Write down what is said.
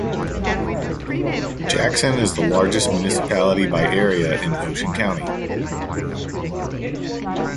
Jackson is the largest municipality by area in Ocean County.